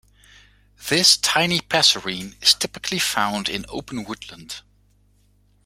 This tiny passerine is typically found in open woodland.